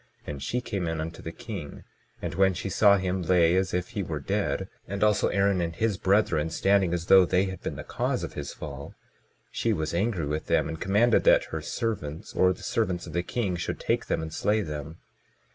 And she came in unto the king; and when she saw him lay as if he were dead, and also Aaron and his brethren standing as though they had been the cause of his fall, she was angry with them, and commanded that her servants, or the servants of the king, should take them and slay them.